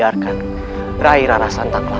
rai rara santan